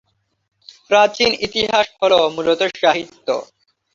প্রাচীন ইতিহাস হল মূলত সাহিত্য।